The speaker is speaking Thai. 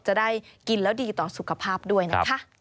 จะได้กินแล้วดีต่อสุขภาพด้วยนะคะ